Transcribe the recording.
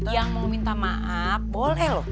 yang mau minta maaf boleh loh